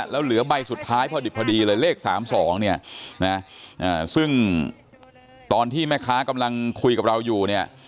แล้วเหลือใบสุดท้ายพอดิบพอดีเลยเลข๓๒เนี่ยนะซึ่งตอนที่แม่ค้ากำลังคุยกับเราอยู่เนี่ย